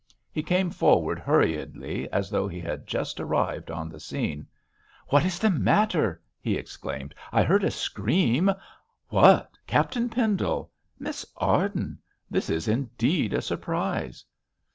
He came forward hurriedly, as though he had just arrived on the scene. 'What is the matter?' he exclaimed. 'I heard a scream. What, Captain Pendle! Miss Arden! This is indeed a surprise.'